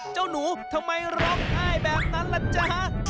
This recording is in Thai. เจ้าหนูทำไมร้องไห้แบบนั้นล่ะจ๊ะ